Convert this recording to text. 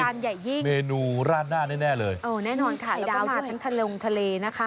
ใหญ่ยิ่งเมนูราดหน้าแน่เลยเออแน่นอนค่ะแล้วก็มาทั้งทะลงทะเลนะคะ